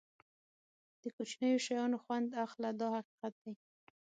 د کوچنیو شیانو خوند اخله دا حقیقت دی.